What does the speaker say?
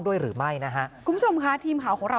ด้วยหรือไม่นะฮะ